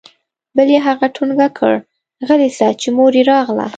بل يې هغه ټونګه كړ غلى سه چې مور يې راغله.